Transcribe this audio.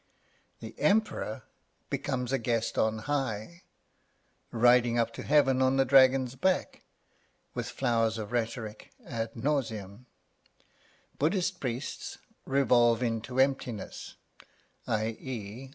The Emperor becomes a guest on high, riding up to heaven on the dragon's back, with flowers of rhetoric ad nauseam; Buddhist priests revolve into emptiness, i.e.